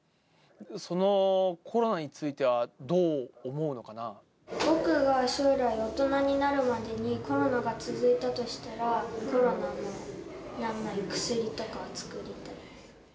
そのコロナについては、どう思う僕が将来、大人になるまでにコロナが続いたとしたら、コロナの薬とかを作りたい。